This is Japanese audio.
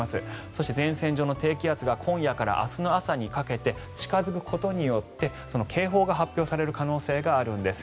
そして前線状の低気圧が今夜から明日の朝にかけて近付くことによって警報が発表される可能性があるんです。